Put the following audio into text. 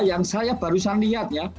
yang saya barusan lihat ya